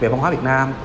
về văn hóa việt nam